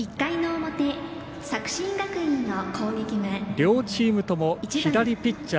両チームとも左ピッチャー